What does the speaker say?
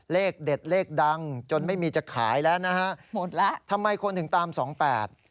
เลขเด็ดเลขดังจนไม่มีจะขายแล้วนะฮะหมดแล้วทำไมคนถึงตามสองแปด